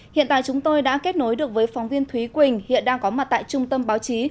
hiện tại chúng tôi đã kết nối được với phóng viên thúy quỳnh hiện đang có mặt tại trung tâm báo chí